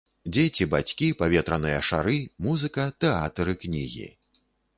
Дзеці, бацькі, паветраныя шары, музыка, тэатр і кнігі.